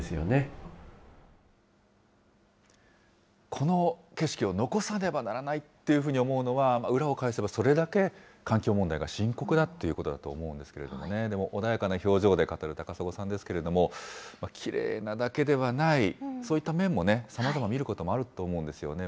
この景色を残さねばならないと思うのは、裏を返せばそれだけ環境問題が深刻だっていうことだと思うんですけれどもね、でも、穏やかな表情で語る高砂さんですけれども、きれいなだけではないそういった面もさまざま見ることもあると思うんですよね。